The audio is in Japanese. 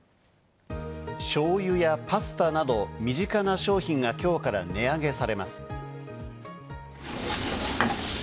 醤油やパスタなど身近な商品が今日から値上げされます。